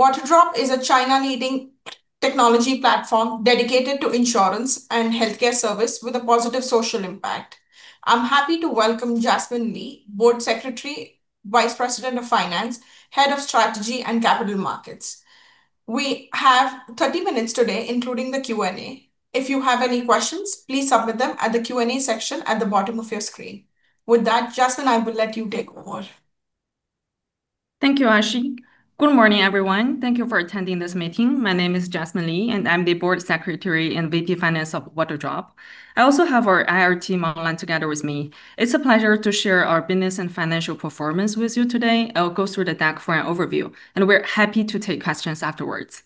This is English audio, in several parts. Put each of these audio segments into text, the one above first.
Waterdrop is a China-leading technology platform dedicated to insurance and healthcare service with a positive social impact. I'm happy to welcome Jasmine Li, Board Secretary, Vice President of Finance, Head of Strategy and Capital Markets. We have 30 minutes today, including the Q&A. If you have any questions, please submit them at the Q&A section at the bottom of your screen. With that, Jasmine, I will let you take over. Thank you, Aashi. Good morning, everyone. Thank you for attending this meeting. My name is Jasmine Li, and I'm the Board Secretary in VP Finance of Waterdrop. I also have our IR team online together with me. It's a pleasure to share our business and financial performance with you today. I'll go through the deck for an overview, and we're happy to take questions afterwards.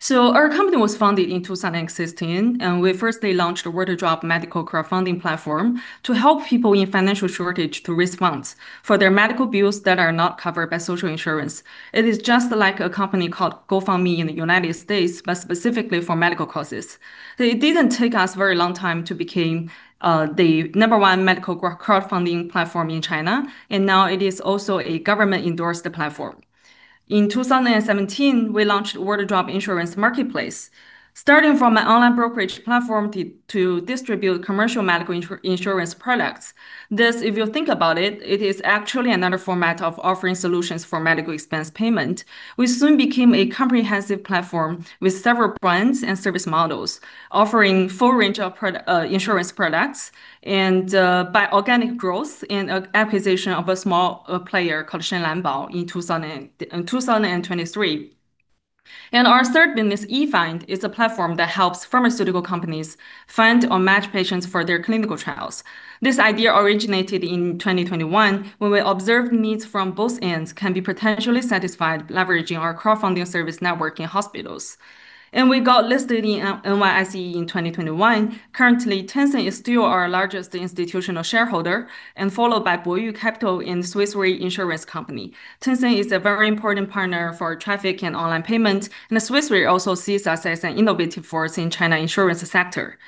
So our company was founded in 2016, and we first launched the Waterdrop medical crowdfunding platform to help people in financial shortage to respond for their medical bills that are not covered by social insurance. It is just like a company called GoFundMe in the United States, but specifically for medical causes. It didn't take us a very long time to become the number one medical crowdfunding platform in China, and now it is also a government-endorsed platform. In 2017, we launched Waterdrop Insurance Marketplace, starting from an online brokerage platform to distribute commercial medical insurance products. This, if you think about it, is actually another format of offering solutions for medical expense payment. We soon became a comprehensive platform with several brands and service models, offering a full range of insurance products and organic growth and acquisition of a small player called Shenlanbao in 2023. And our third business, E-Find, is a platform that helps pharmaceutical companies find or match patients for their clinical trials. This idea originated in 2021 when we observed needs from both ends can be potentially satisfied leveraging our crowdfunding service network in hospitals. And we got listed in NYSE in 2021. Currently, Tencent is still our largest institutional shareholder, followed by Boyu Capital and Swiss Re Insurance Company. Tencent is a very important partner for traffic and online payment, and Swiss Re also sees us as an innovative force in the China insurance sector.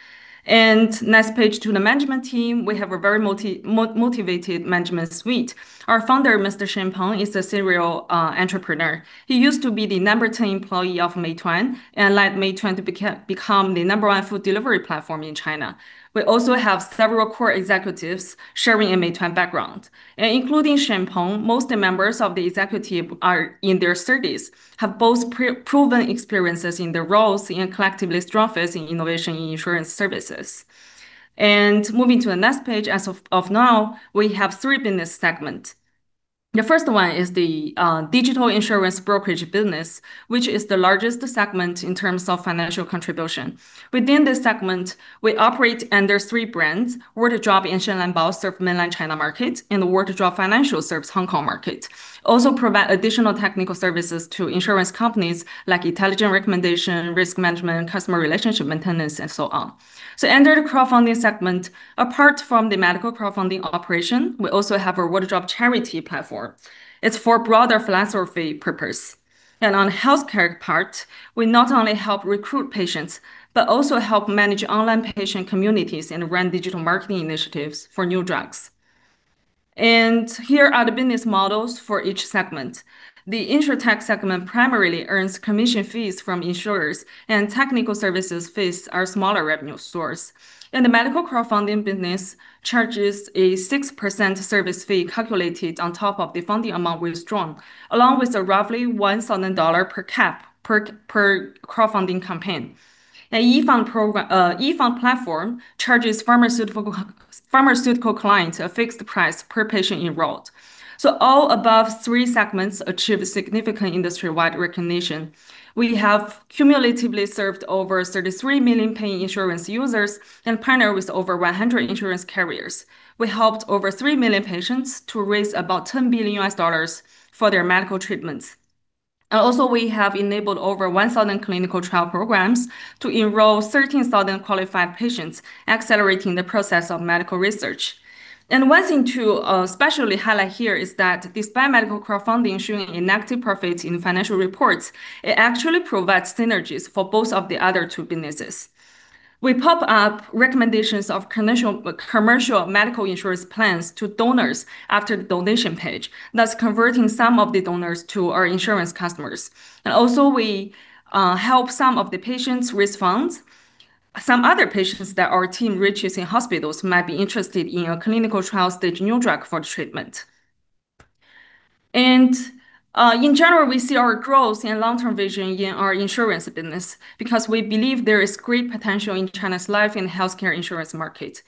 And next page to the management team, we have a very motivated management suite. Our founder, Mr. Shen Peng, is a serial entrepreneur. He used to be the number 10 employee of Meituan and led Meituan to become the number one food delivery platform in China. We also have several core executives sharing a Meituan background. And including Shen Peng, most members of the executive are in their 30s, have both proven experiences in their roles and collectively strong faith in innovation in insurance services. And moving to the next page, as of now, we have three business segments. The first one is the digital insurance brokerage business, which is the largest segment in terms of financial contribution. Within this segment, we operate under three brands. Waterdrop and Shenlanbao serves mainland China market, and Waterdrop Financial serves Hong Kong market. Also provide additional technical services to insurance companies like intelligent recommendation, risk management, customer relationship maintenance, and so on. Under the crowdfunding segment, apart from the medical crowdfunding operation, we also have a Waterdrop Charity platform. It's for broader philanthropic purpose. On the healthcare part, we not only help recruit patients, but also help manage online patient communities and run digital marketing initiatives for new drugs. Here are the business models for each segment. The insurtech segment primarily earns commission fees from insurers, and technical services fees are a smaller revenue source. The medical crowdfunding business charges a 6% service fee calculated on top of the funding amount we've raised, along with a roughly $1,000 per case per crowdfunding campaign. An E-Find platform charges pharmaceutical clients a fixed price per patient enrolled, so all above three segments achieve significant industry-wide recognition. We have cumulatively served over 33 million pain insurance users and partnered with over 100 insurance carriers. We helped over three million patients to raise about $10 billion for their medical treatments, and also we have enabled over 1,000 clinical trial programs to enroll 13,000 qualified patients, accelerating the process of medical research. One thing to especially highlight here is that despite medical crowdfunding showing negative profits in financial reports, it actually provides synergies for both of the other two businesses. We pop up recommendations of commercial medical insurance plans to donors after the donation page, thus converting some of the donors to our insurance customers, and also we help some of the patients respond. Some other patients that our team reaches in hospitals might be interested in a clinical-trial-stage new drug for treatment, and in general, we see our growth and long-term vision in our insurance business because we believe there is great potential in China's life and healthcare insurance market.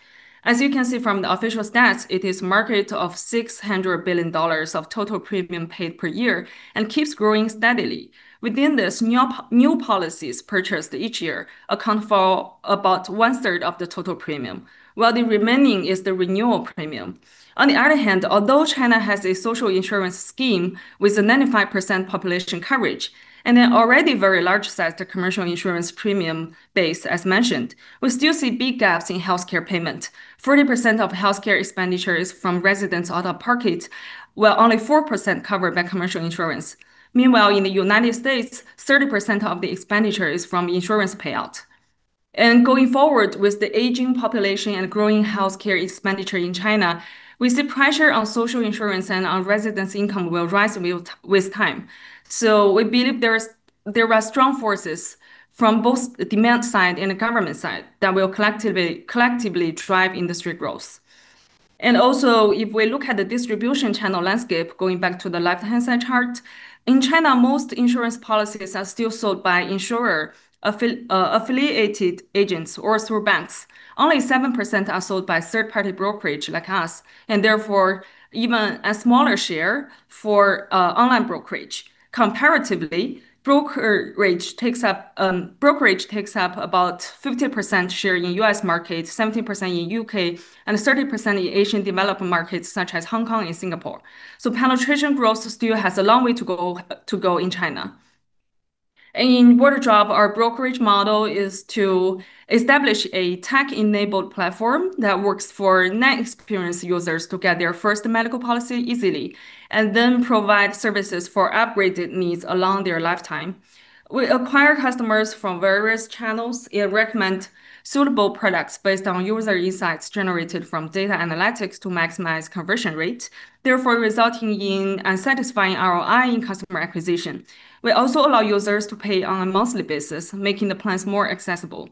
As you can see from the official stats, it is a market of $600 billion of total premium paid per year and keeps growing steadily. Within this, new policies purchased each year account for about one-third of the total premium, while the remaining is the renewal premium. On the other hand, although China has a social insurance scheme with a 95% population coverage and an already very large-sized commercial insurance premium base, as mentioned, we still see big gaps in healthcare payment. 40% of healthcare expenditure is from residents' out-of-pocket, while only 4% is covered by commercial insurance. Meanwhile, in the United States, 30% of the expenditure is from insurance payout. And going forward with the aging population and growing healthcare expenditure in China, we see pressure on social insurance and on residents' income will rise with time. So we believe there are strong forces from both the demand side and the government side that will collectively drive industry growth. And also if we look at the distribution channel landscape going back to the left-hand side chart, in China, most insurance policies are still sold by insurer-affiliated agents or through banks. Only 7% are sold by third-party brokerage like us, and therefore even a smaller share for online brokerage. Comparatively, brokerage takes up about a 50% share in the U.S. market, 17% in the U.K., and 30% in Asian developed markets such as Hong Kong and Singapore. Penetration growth still has a long way to go in China. And in Waterdrop, our brokerage model is to establish a tech-enabled platform that works for non-experienced users to get their first medical policy easily and then provide services for upgraded needs along their lifetime. We acquire customers from various channels and recommend suitable products based on user insights generated from data analytics to maximize conversion rate, therefore resulting in a satisfying ROI in customer acquisition. We also allow users to pay on a monthly basis, making the plans more accessible.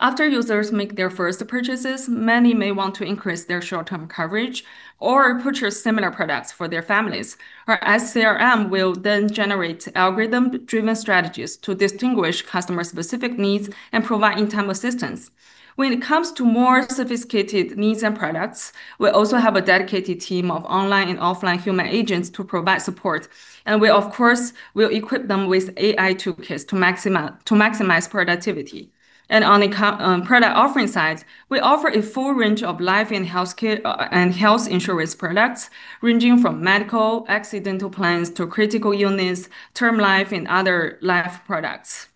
After users make their first purchases, many may want to increase their short-term coverage or purchase similar products for their families. Our SCRM will then generate algorithm-driven strategies to distinguish customer-specific needs and provide in-time assistance. When it comes to more sophisticated needs and products, we also have a dedicated team of online and offline human agents to provide support. And we, of course, will equip them with AI toolkits to maximize productivity. And on the product offering side, we offer a full range of life and health insurance products ranging from medical, accidental plans to critical units, term life, and other life products.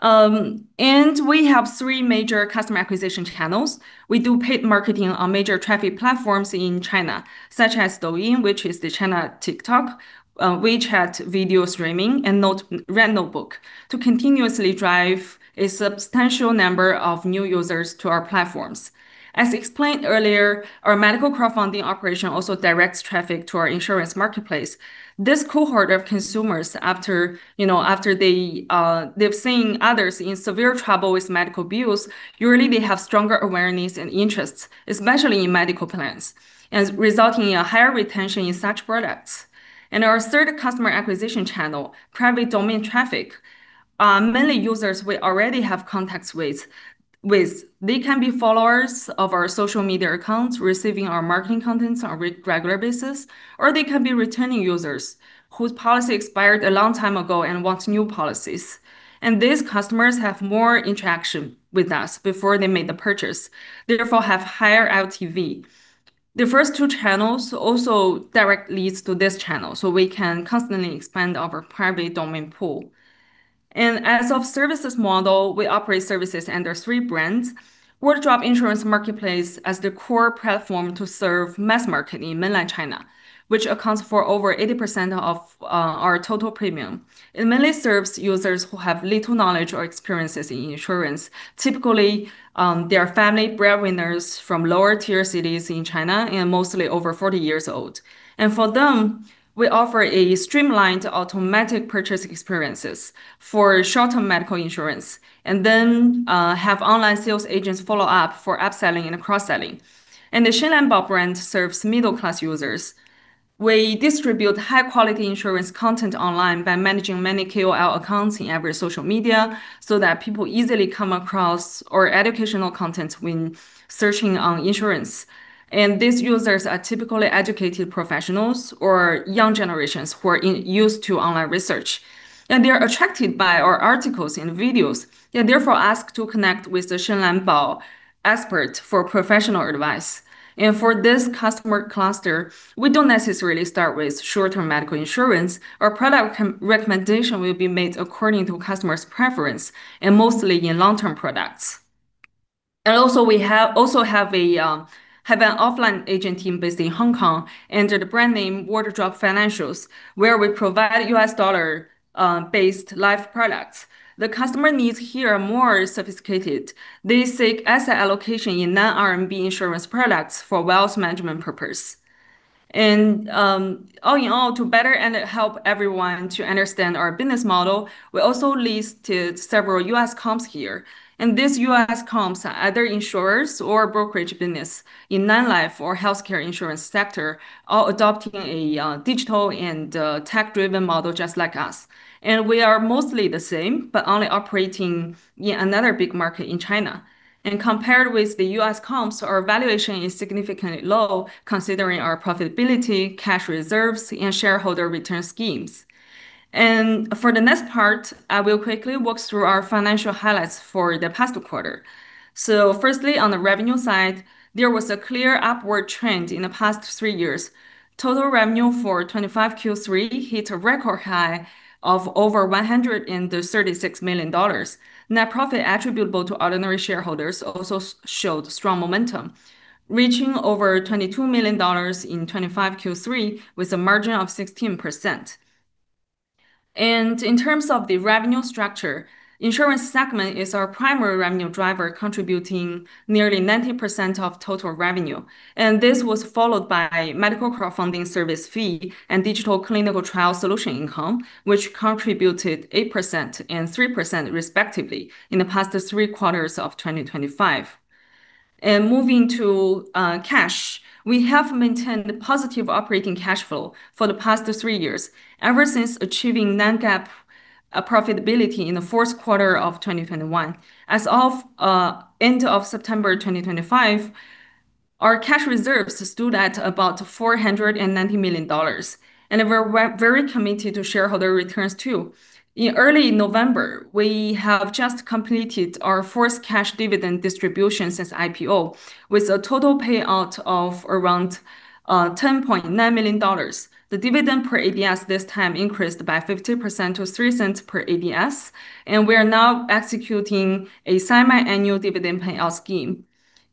And we have three major customer acquisition channels. We do paid marketing on major traffic platforms in China, such as Douyin, which is the China TikTok, WeChat video streaming, and Red Notebook to continuously drive a substantial number of new users to our platforms. As explained earlier, our medical crowdfunding operation also directs traffic to our insurance marketplace. This cohort of consumers, after they've seen others in severe trouble with medical bills, usually they have stronger awareness and interests, especially in medical plans, resulting in a higher retention in such products. And our third customer acquisition channel, private domain traffic. Many users we already have contacts with. They can be followers of our social media accounts receiving our marketing contents on a regular basis, or they can be returning users whose policy expired a long time ago and want new policies. And these customers have more interaction with us before they made the purchase, therefore have higher LTV. The first two channels also direct leads to this channel, so we can constantly expand our private domain pool. And as of services model, we operate services under three brands. Waterdrop Insurance Marketplace is the core platform to serve mass market in mainland China, which accounts for over 80% of our total premium. It mainly serves users who have little knowledge or experiences in insurance. Typically, they are family breadwinners from lower-tier cities in China and mostly over 40 years old, and for them, we offer a streamlined automatic purchase experience for short-term medical insurance and then have online sales agents follow up for upselling and cross-selling, and the Shenlanbao brand serves middle-class users. We distribute high-quality insurance content online by managing many KOL accounts in every social media so that people easily come across our educational content when searching on insurance, and these users are typically educated professionals or young generations who are used to online research, and they are attracted by our articles and videos and therefore ask to connect with the Shenlanbao expert for professional advice. And for this customer cluster, we don't necessarily start with short-term medical insurance. Our product recommendation will be made according to customer's preference and mostly in long-term products. And also we have an offline agent team based in Hong Kong under the brand name Waterdrop Financial, where we provide U.S. dollar-based life products. The customer needs here are more sophisticated. They seek asset allocation in non-RMB insurance products for wealth management purposes. And all in all, to better help everyone to understand our business model, we also listed several U.S. comps here. And these U.S. comps are either insurers or brokerage business in non-life or healthcare insurance sector, all adopting a digital and tech-driven model just like us. And we are mostly the same, but only operating in another big market in China. Compared with the U.S. comps, our valuation is significantly low considering our profitability, cash reserves, and shareholder return schemes. For the next part, I will quickly walk through our financial highlights for the past quarter. Firstly, on the revenue side, there was a clear upward trend in the past three years. Total revenue for 25Q3 hit a record high of over $136 million. Net profit attributable to ordinary shareholders also showed strong momentum, reaching over $22 million in 25Q3 with a margin of 16%. In terms of the revenue structure, insurance segment is our primary revenue driver, contributing nearly 90% of total revenue. This was followed by medical crowdfunding service fee and digital clinical trial solution income, which contributed 8% and 3% respectively in the past three quarters of 2025. Moving to cash, we have maintained a positive operating cash flow for the past three years ever since achieving non-GAAP profitability in the fourth quarter of 2021. As of end of September 2025, our cash reserves stood at about $490 million, and we're very committed to shareholder returns too. In early November, we have just completed our fourth cash dividend distribution since IPO with a total payout of around $10.9 million. The dividend per ADS this time increased by 50% to $0.03 per ADS, and we are now executing a semi-annual dividend payout scheme.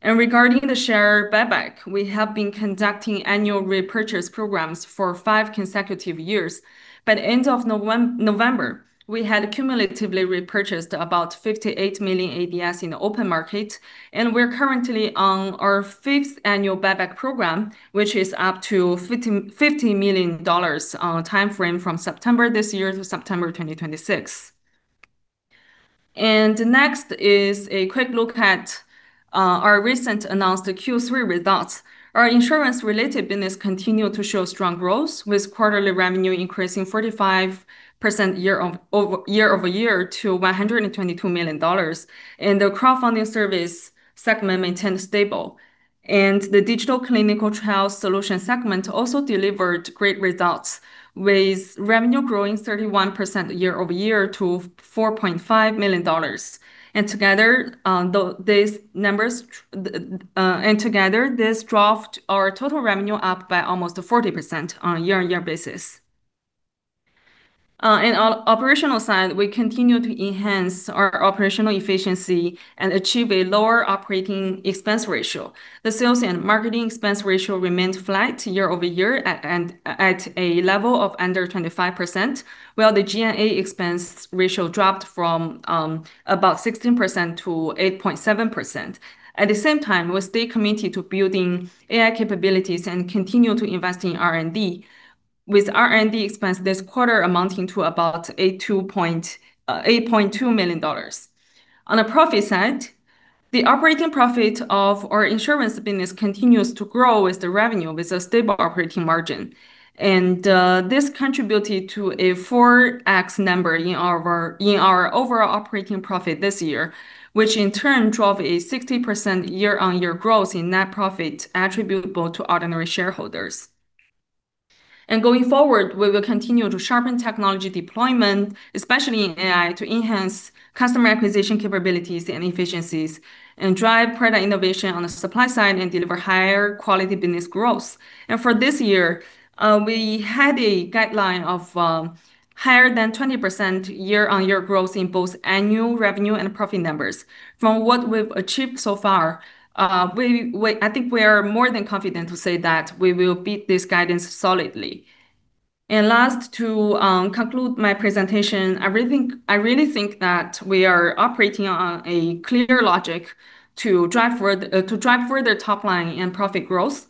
Regarding the share buyback, we have been conducting annual repurchase programs for five consecutive years. By the end of November, we had cumulatively repurchased about 58 million ADS in the open market, and we're currently on our fifth annual buyback program, which is up to $50 million on a timeframe from September this year to September 2026. Next is a quick look at our recently announced Q3 results. Our insurance-related business continued to show strong growth, with quarterly revenue increasing 45% year over year to $122 million, and the crowdfunding service segment maintained stable. The digital clinical trial solution segment also delivered great results, with revenue growing 31% year over year to $4.5 million. Together, these numbers together, this dropped our total revenue up by almost 40% on a year-on-year basis. On the operational side, we continue to enhance our operational efficiency and achieve a lower operating expense ratio. The sales and marketing expense ratio remained flat year over year at a level of under 25%, while the G&A expense ratio dropped from about 16% to 8.7%. At the same time, we stay committed to building AI capabilities and continue to invest in R&D, with R&D expense this quarter amounting to about $8.2 million. On the profit side, the operating profit of our insurance business continues to grow with the revenue, with a stable operating margin, and this contributed to a 4X number in our overall operating profit this year, which in turn drove a 60% year-on-year growth in net profit attributable to ordinary shareholders, and going forward, we will continue to sharpen technology deployment, especially in AI, to enhance customer acquisition capabilities and efficiencies and drive product innovation on the supply side and deliver higher quality business growth. For this year, we had a guideline of higher than 20% year-on-year growth in both annual revenue and profit numbers. From what we've achieved so far, I think we are more than confident to say that we will beat this guidance solidly. Last, to conclude my presentation, I really think that we are operating on a clear logic to drive further top line and profit growth.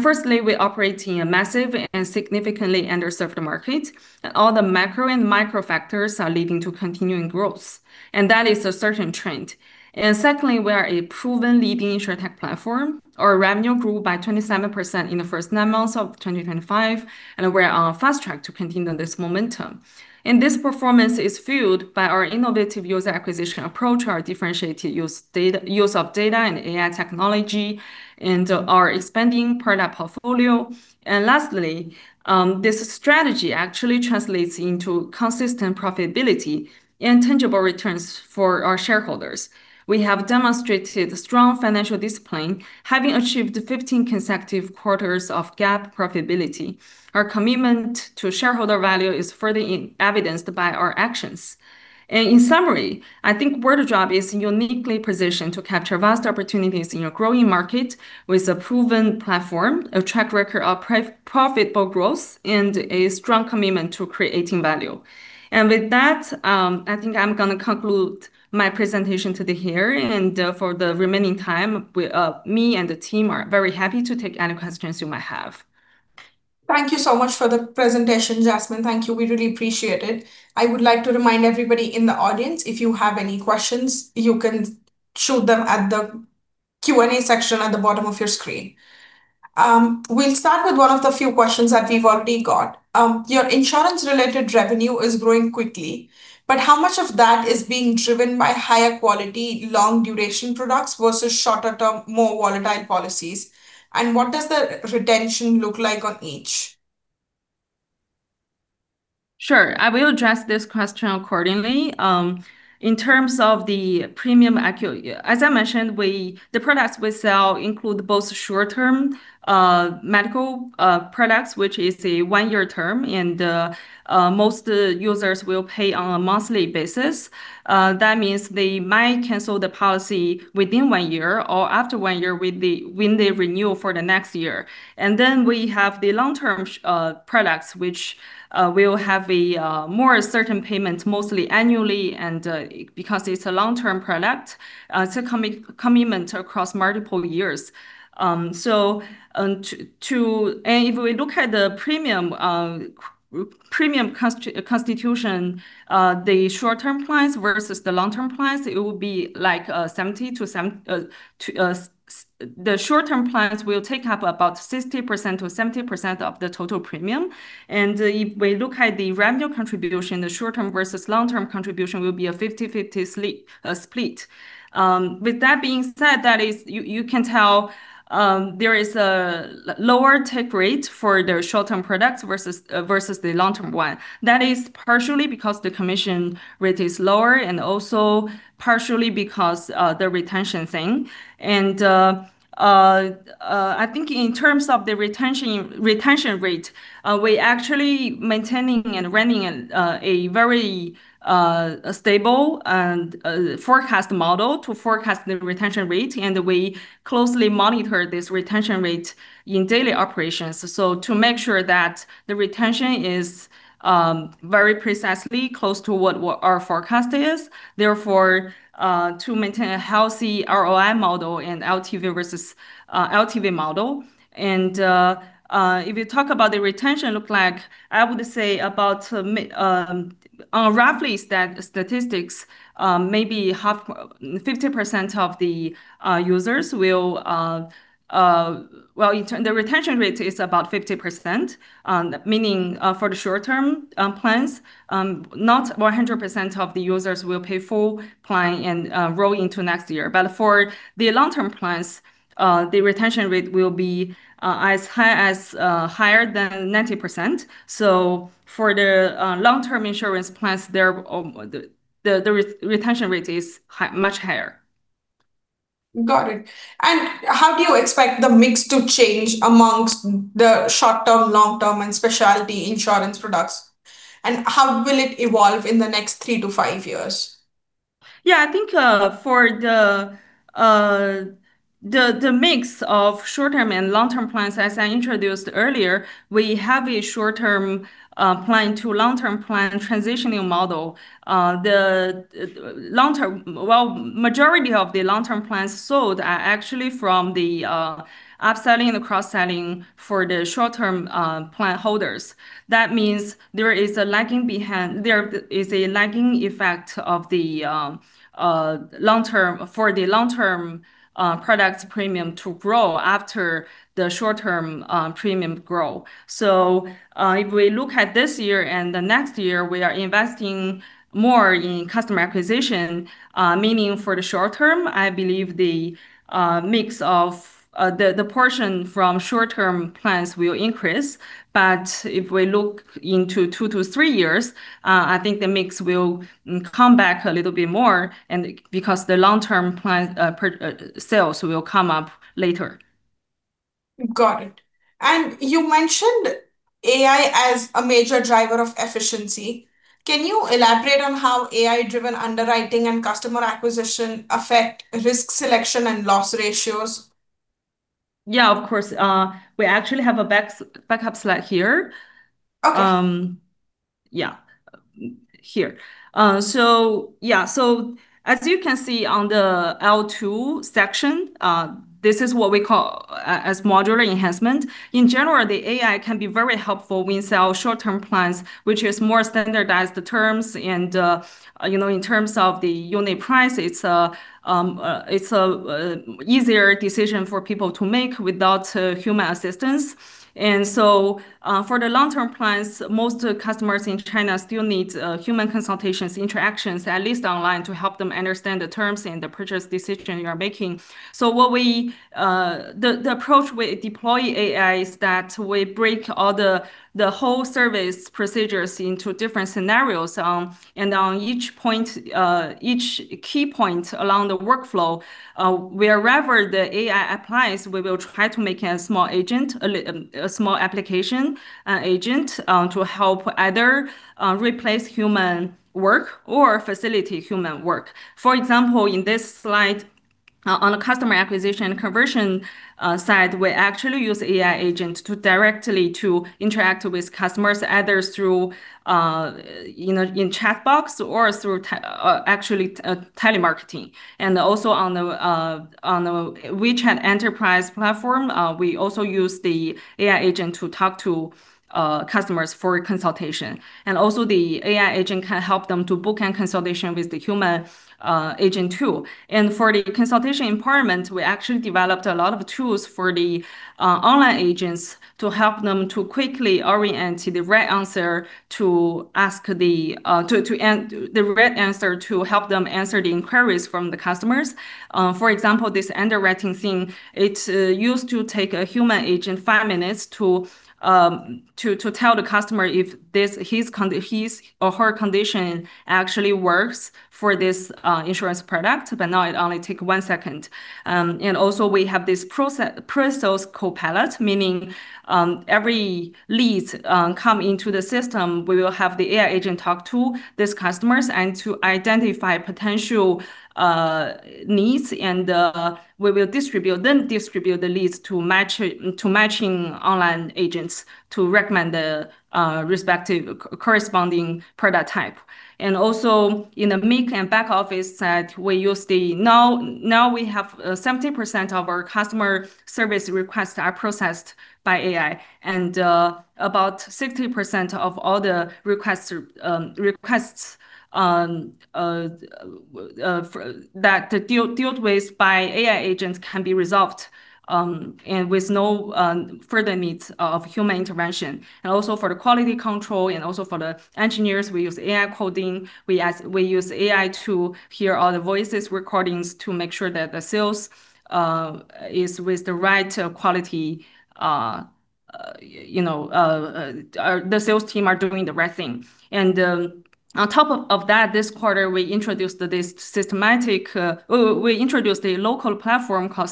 Firstly, we operate in a massive and significantly underserved market, and all the macro and micro factors are leading to continuing growth, and that is a certain trend. Secondly, we are a proven leading insurtech platform. Our revenue grew by 27% in the first nine months of 2025, and we're on a fast track to continue this momentum. And this performance is fueled by our innovative user acquisition approach, our differentiated use of data and AI technology, and our expanding product portfolio. And lastly, this strategy actually translates into consistent profitability and tangible returns for our shareholders. We have demonstrated strong financial discipline, having achieved 15 consecutive quarters of GAAP profitability. Our commitment to shareholder value is further evidenced by our actions. And in summary, I think Waterdrop is uniquely positioned to capture vast opportunities in a growing market with a proven platform, a track record of profitable growth, and a strong commitment to creating value. And with that, I think I'm going to conclude my presentation to you here, and for the remaining time, me and the team are very happy to take any questions you might have. Thank you so much for the presentation, Jasmine. Thank you. We really appreciate it. I would like to remind everybody in the audience, if you have any questions, you can shoot them at the Q&A section at the bottom of your screen. We'll start with one of the few questions that we've already got. Your insurance-related revenue is growing quickly, but how much of that is being driven by higher quality, long-duration products versus shorter-term, more volatile policies? And what does the retention look like on each? Sure. I will address this question accordingly. In terms of the premium, as I mentioned, the products we sell include both short-term medical products, which is a one-year term, and most users will pay on a monthly basis. That means they might cancel the policy within one year or after one year when they renew for the next year. And then we have the long-term products, which will have a more certain payment, mostly annually, and because it's a long-term product, it's a commitment across multiple years. And if we look at the premium composition, the short-term plans versus the long-term plans, it will be like 70 to the short-term plans will take up about 60%-70% of the total premium. And if we look at the revenue contribution, the short-term versus long-term contribution will be a 50-50 split. With that being said, that is, you can tell there is a lower take rate for the short-term products versus the long-term one. That is partially because the commission rate is lower and also partially because of the retention thing. And I think in terms of the retention rate, we actually maintaining and running a very stable and forecast model to forecast the retention rate, and we closely monitor this retention rate in daily operations to make sure that the retention is very precisely close to what our forecast is. Therefore, to maintain a healthy ROI model and LTV versus LTV model, and if you talk about the retention look like, I would say about roughly statistics, maybe 50% of the users will, well, the retention rate is about 50%, meaning for the short-term plans, not 100% of the users will pay full client and roll into next year, but for the long-term plans, the retention rate will be as high as higher than 90%. So for the long-term insurance plans, the retention rate is much higher. Got it. And how do you expect the mix to change among the short-term, long-term, and specialty insurance products? And how will it evolve in the next three to five years? Yeah, I think for the mix of short-term and long-term plans, as I introduced earlier, we have a short-term plan to long-term plan transitioning model. The long-term, well, majority of the long-term plans sold are actually from the upselling and the cross-selling for the short-term plan holders. That means there is a lagging effect of the long-term for the long-term products premium to grow after the short-term premium grow. So if we look at this year and the next year, we are investing more in customer acquisition, meaning for the short term, I believe the mix of the portion from short-term plans will increase. But if we look into two to three years, I think the mix will come back a little bit more because the long-term sales will come up later. Got it. And you mentioned AI as a major driver of efficiency. Can you elaborate on how AI-driven underwriting and customer acquisition affect risk selection and loss ratios? Yeah, of course. We actually have a backup slide here. Okay. Yeah, here. So yeah, so as you can see on the L2 section, this is what we call as modular enhancement. In general, the AI can be very helpful when selling short-term plans, which is more standardized terms. And in terms of the unit price, it's an easier decision for people to make without human assistance. And so, for the long-term plans, most customers in China still need human consultations, interactions, at least online, to help them understand the terms and the purchase decision you are making. So the approach we deploy AI is that we break all the whole service procedures into different scenarios. And on each key point along the workflow, wherever the AI applies, we will try to make a small agent, a small application agent to help either replace human work or facilitate human work. For example, in this slide on the customer acquisition and conversion side, we actually use AI agents directly to interact with customers, either through in chat box or through actually telemarketing. And also on the WeChat Enterprise platform, we also use the AI agent to talk to customers for consultation. And also the AI agent can help them to book a consultation with the human agent too. And for the consultation environment, we actually developed a lot of tools for the online agents to help them to quickly orient the right answer to ask the right answer to help them answer the inquiries from the customers. For example, this underwriting thing, it used to take a human agent five minutes to tell the customer if his or her condition actually works for this insurance product, but now it only takes one second. And also we have this process, ProSales Copilot, meaning every lead comes into the system. We will have the AI agent talk to these customers and to identify potential needs, and we will then distribute the leads to matching online agents to recommend the respective corresponding product type. Also in the front-end and back-office side, now we have 70% of our customer service requests are processed by AI, and about 60% of all the requests that dealt with by AI agents can be resolved with no further needs of human intervention. Also for the quality control and also for the engineers, we use AI coding. We use AI to hear all the voice recordings to make sure that the sales is with the right quality or the sales team are doing the right thing. On top of that, this quarter, we introduced a local platform called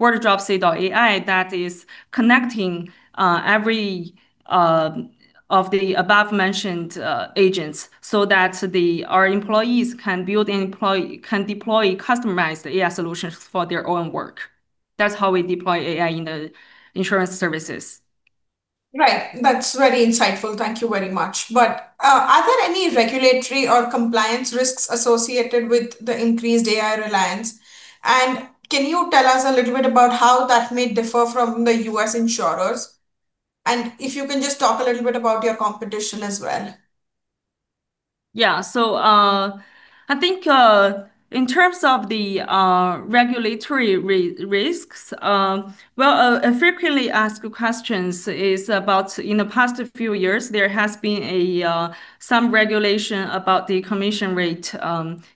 Waterdrop C.AI that is connecting every of the above-mentioned agents so that our employees can deploy customized AI solutions for their own work. That's how we deploy AI in the insurance services. Right. That's very insightful. Thank you very much. But are there any regulatory or compliance risks associated with the increased AI reliance? And can you tell us a little bit about how that may differ from the U.S. insurers? And if you can just talk a little bit about your competition as well. Yeah, so I think in terms of the regulatory risks, well, a frequently asked question is about, in the past few years, there has been some regulation about the commission rate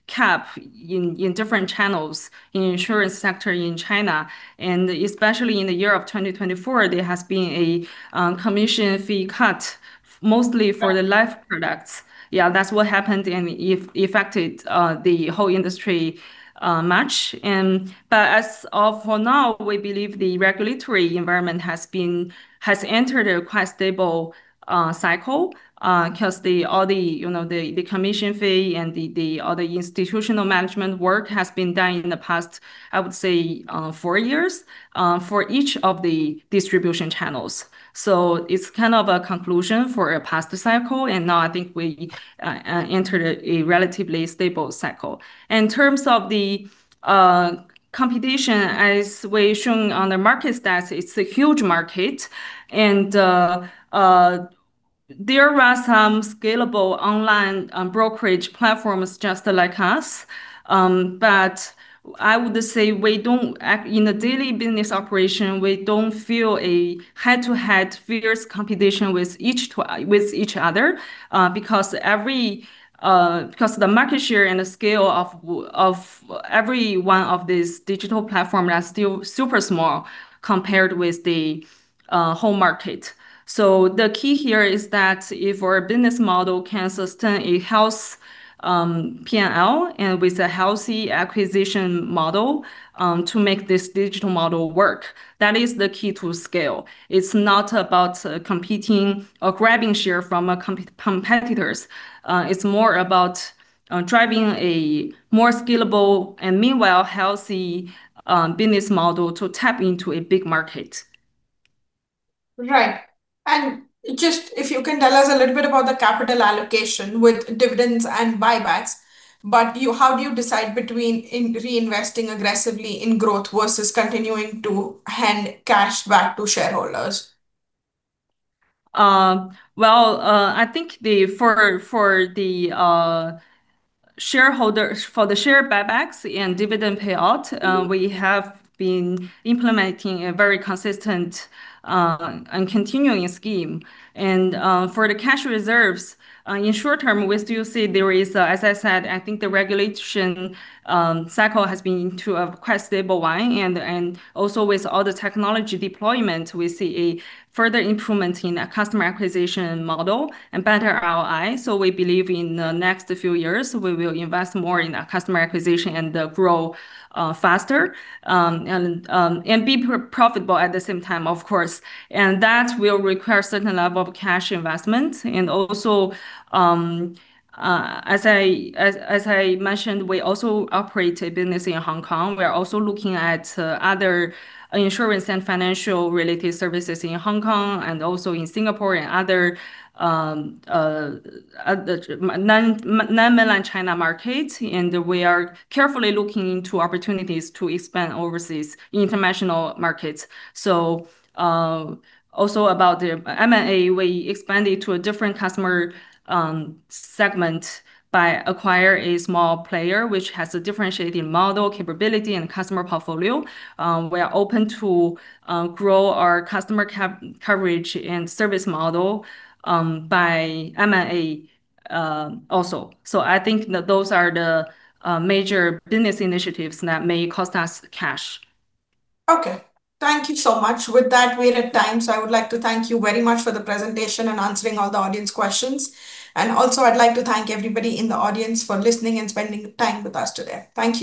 cap in different channels in the insurance sector in China. And especially in the year of 2024, there has been a commission fee cut mostly for the life products. Yeah, that's what happened and affected the whole industry much. But as of now, we believe the regulatory environment has entered a quite stable cycle because all the commission fee and the other institutional management work has been done in the past, I would say, four years for each of the distribution channels. So it's kind of a conclusion for a past cycle. And now I think we entered a relatively stable cycle. In terms of the competition, as we've shown on the market stats, it's a huge market. And there are some scalable online brokerage platforms just like us. But I would say in the daily business operation, we don't feel a head-to-head fierce competition with each other because the market share and the scale of every one of these digital platforms are still super small compared with the whole market. So the key here is that if our business model can sustain a healthy P&L and with a healthy acquisition model to make this digital model work, that is the key to scale. It's not about competing or grabbing share from competitors. It's more about driving a more scalable and meanwhile healthy business model to tap into a big market. Right. And just if you can tell us a little bit about the capital allocation with dividends and buybacks, but how do you decide between reinvesting aggressively in growth versus continuing to hand cash back to shareholders? Well, I think for the shareholders, for the share buybacks and dividend payout, we have been implementing a very consistent and continuing scheme. And for the cash reserves, in short term, we still see there is, as I said, I think the regulation cycle has been into a quite stable one. And also with all the technology deployment, we see a further improvement in our customer acquisition model and better ROI. So we believe in the next few years, we will invest more in our customer acquisition and grow faster and be profitable at the same time, of course. And that will require a certain level of cash investment. And also, as I mentioned, we also operate a business in Hong Kong. We are also looking at other insurance and financial-related services in Hong Kong and also in Singapore and other non-Mainland China markets. And we are carefully looking into opportunities to expand overseas international markets. So also about the M&A, we expanded to a different customer segment by acquiring a small player, which has a differentiating model, capability, and customer portfolio. We are open to grow our customer coverage and service model by M&A also. So I think those are the major business initiatives that may cost us cash. Okay. Thank you so much. With that, we're at time. So I would like to thank you very much for the presentation and answering all the audience questions. And also, I'd like to thank everybody in the audience for listening and spending time with us today. Thank you.